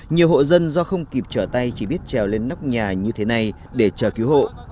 nhiều hộ dân do không kịp trở tay chỉ biết trèo lên nóc nhà như thế này để chờ cứu hộ